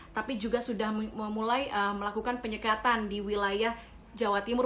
tapi juga sudah mulai melakukan penyekatan di wilayah jawa timur